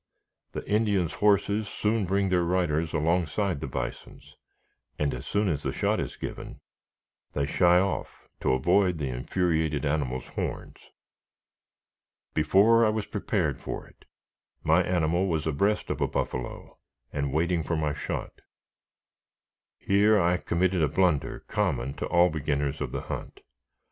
The Indians' horses soon bring their riders alongside the bisons, and as soon as the shot is given, they shy off to avoid the infuriated animal's horns. Before I was prepared for it, my animal was abreast of a buffalo, and waiting for my shot. Here I committed a blunder common to all beginners of the hunt.